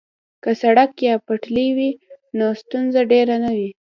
که سړک یا پټلۍ وي نو ستونزه ډیره نه وي